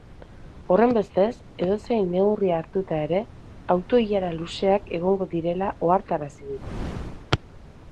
Horrenbestez, edozein neurri hartuta ere, auto-ilara luzeak egongo direla ohartarazi dute.